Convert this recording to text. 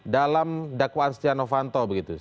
dalam dakwaan setia novanto begitu